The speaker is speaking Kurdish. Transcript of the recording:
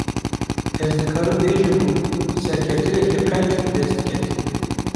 Ez dikarim bêjim ku serkeftineke qenc, bi dest ket